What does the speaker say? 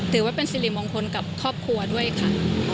ถือว่าเป็นสิริมงคลกับครอบครัวด้วยค่ะ